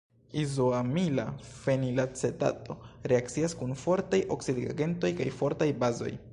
Izoamila fenilacetato reakcias kun fortaj oksidigagentoj kaj fortaj bazoj.